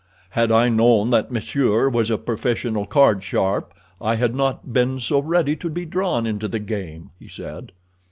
"Had I known that monsieur was a professional card sharp I had not been so ready to be drawn into the game," he said.